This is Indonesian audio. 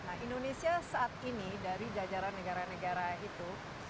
nah indonesia saat ini dari jajaran negara negara itu